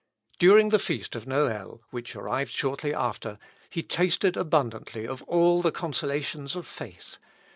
During the feast of Noel, which arrived shortly after, he tasted abundantly of all the consolations of faith.